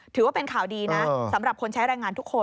ถือว่าเป็นข่าวดีนะสำหรับคนใช้แรงงานทุกคน